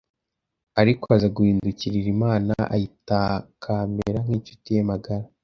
ariko aza guhindukirira Imana ayitakambira nk’incuti ye magara